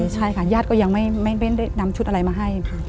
ใช่ค่ะญาติก็ยังไม่ได้นำชุดอะไรมาให้